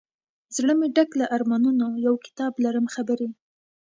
زړه مي ډک له ارمانونو یو کتاب لرم خبري